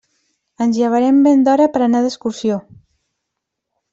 Ens llevarem ben d'hora per anar d'excursió.